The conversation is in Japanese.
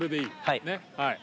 はい。